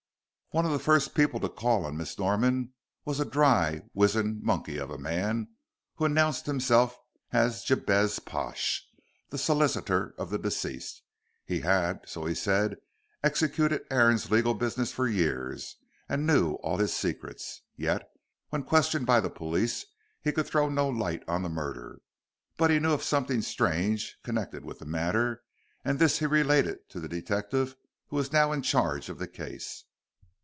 One of the first people to call on Miss Norman was a dry, wizen monkey of a man, who announced himself as Jabez Pash, the solicitor of the deceased. He had, so he said, executed Aaron's legal business for years, and knew all his secrets. Yet, when questioned by the police, he could throw no light on the murder. But he knew of something strange connected with the matter, and this he related to the detective who was now in charge of the case.